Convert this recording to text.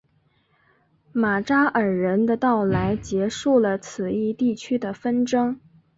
马扎尔人的到来结束了此一地区的纷争。